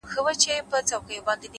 گوره خندا مه كوه مړ به مي كړې؛